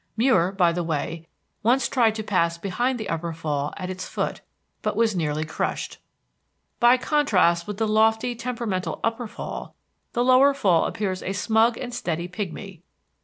Muir, by the way, once tried to pass behind the Upper Fall at its foot, but was nearly crushed. By contrast with the lofty temperamental Upper Fall, the Lower Fall appears a smug and steady pigmy.